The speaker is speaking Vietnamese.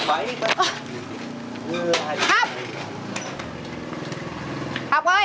máy cắt giày